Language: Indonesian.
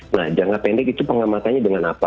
nah jangka pendek itu pengamatannya dengan apa